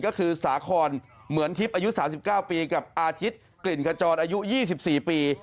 ก็คือสาคอนเหมือนทิพย์อายุ๓๙ปีกับอาทิตย์กลิ่นขจรอายุ๒๔ปี